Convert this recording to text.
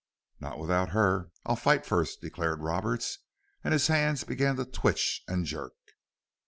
"Not without her. I'll fight first," declared Roberts, and his hands began to twitch and jerk.